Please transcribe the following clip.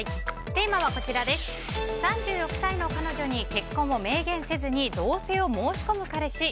テーマは、３６歳の彼女に結婚を明言せずに同棲を申し込む彼氏。